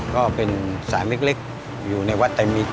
ก็เป็นสายเล็กอยู่ในวัดไมมิตร